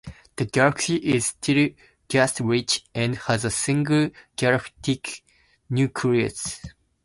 The galaxy is still gas-rich, and has a single galactic nucleus.